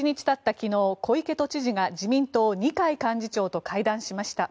昨日小池都知事が自民党・二階幹事長と会談しました。